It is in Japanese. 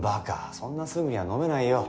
そんなすぐには飲めないよ。